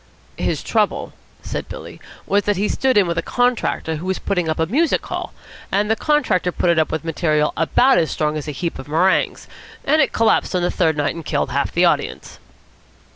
"His trouble," said Billy, "was that he stood in with a contractor who was putting up a music hall, and the contractor put it up with material about as strong as a heap of meringues, and it collapsed on the third night and killed half the audience."